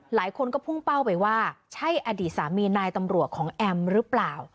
หลายคนก็พุ่งเป้าไปว่าใช่อดีตสามีนายตำรวจของแอมหรือเปล่า